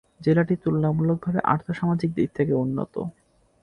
জেলাটি তুলনামূলকভাবে আর্থসামাজিক দিক থেকে উন্নত।